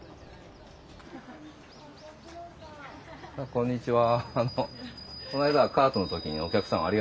こんにちは。